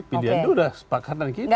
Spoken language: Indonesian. pilihan itu sudah sepakat dengan kita